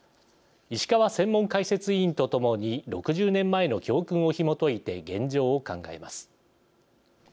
石川専門解説委員と共に６０年前の教訓をひも解いて現状を考えます。